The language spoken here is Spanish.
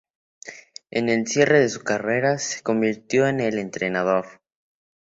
En el cierre de su carrera, se convirtió en entrenador.